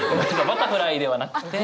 バタフライではなくて。